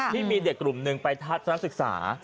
ที่มีเด็กกลุ่มหนึ่งไปทัศนศึกษา